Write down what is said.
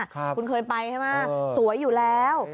คุณเคยไปใช่ไหมสวยอยู่แล้ว